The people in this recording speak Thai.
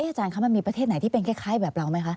อาจารย์คะมันมีประเทศไหนที่เป็นคล้ายแบบเราไหมคะ